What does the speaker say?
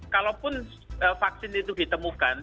kalau pun vaksin itu ditemukan